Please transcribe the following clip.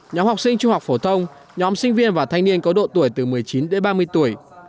nhóm học sinh trung học phổ thông nhóm sinh viên và thanh niên có độ tuổi từ một mươi chín đến ba mươi tuổi